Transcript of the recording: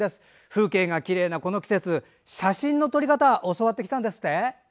風景がきれいなこの季節写真の撮り方教わってきたんですって？